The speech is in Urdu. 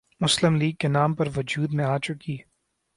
مسلم لیگ کے نام پر وجود میں آ چکی